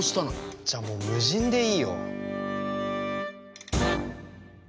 じゃあもう無人でいいよ！